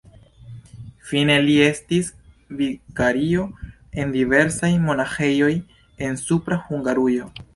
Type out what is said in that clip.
Fine li estis vikario en diversaj monaĥejoj en Supra Hungarujo.